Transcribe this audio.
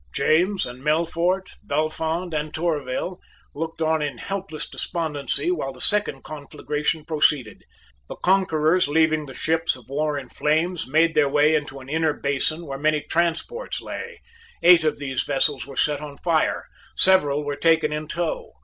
James and Melfort, Bellefonds and Tourville, looked on in helpless despondency while the second conflagration proceeded. The conquerors, leaving the ships of war in flames, made their way into an inner basin where many transports lay. Eight of these vessels were set on fire. Several were taken in tow.